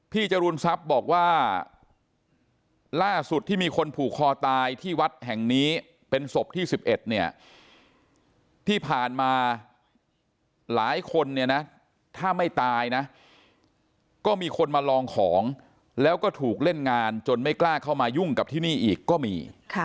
จรูนทรัพย์บอกว่าล่าสุดที่มีคนผูกคอตายที่วัดแห่งนี้เป็นศพที่๑๑เนี่ยที่ผ่านมาหลายคนเนี่ยนะถ้าไม่ตายนะก็มีคนมาลองของแล้วก็ถูกเล่นงานจนไม่กล้าเข้ามายุ่งกับที่นี่อีกก็มี